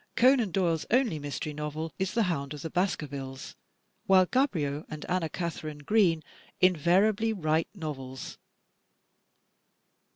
Conan Doyle's only mystery novel is "The Hound of the Baskervilles;" while Gaboriau and Anna Katharine Green invariably write novels.